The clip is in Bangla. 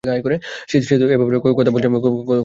সে তো এব্যাপারে কথাই বলছে না আমার সাথে।